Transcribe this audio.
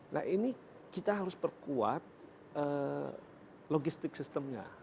nah ini kita harus perkuat logistik sistemnya